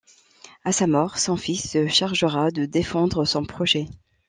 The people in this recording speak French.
À sa mort, son fils se chargera de défendre son projet.